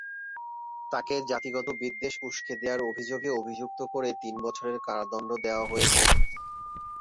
তাকে জাতিগত বিদ্বেষ উস্কে দেওয়ার অভিযোগে অভিযুক্ত করে তিন বছরের কারাদণ্ড দেওয়া হয়েছিল।